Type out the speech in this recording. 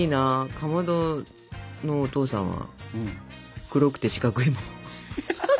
かまどのお父さんは黒くて四角いもん。